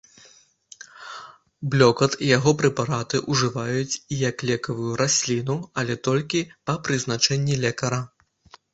Блёкат і яго прэпараты ўжываюць і як лекавую расліну, але толькі па прызначэнні лекара.